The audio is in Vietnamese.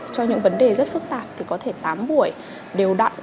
cho những vấn đề rất phức tạp thì có thể tám buổi đều đặn